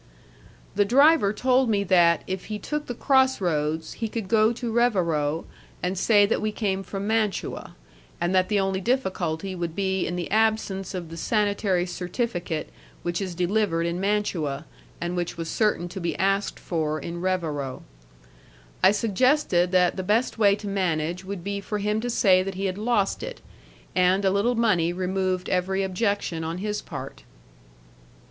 The driver told me that, if he took the crossroads, he could go to Revero, and say that we came from Mantua, and that the only difficulty would be in the absence of the sanitary certificate which is delivered in Mantua, and which was certain to be asked for in Revero. I suggested that the best way to manage would be for him to say that he had lost it, and a little money removed every objection on his part.